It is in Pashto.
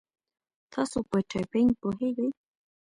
تاسو په ټایپینګ پوهیږئ؟